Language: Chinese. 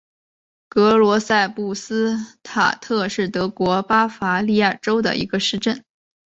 格罗赛布斯塔特是德国巴伐利亚州的一个市镇。